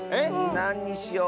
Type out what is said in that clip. なんにしよう？